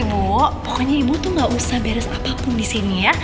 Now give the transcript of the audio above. oh pokoknya ibu tuh gak usah beres apapun di sini ya